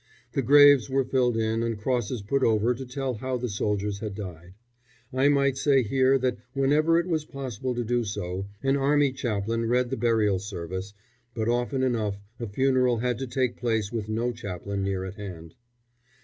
The graves were filled in and crosses put over to tell how the soldiers had died. I might say here that whenever it was possible to do so, an Army chaplain read the Burial Service; but often enough a funeral had to take place with no chaplain near at hand.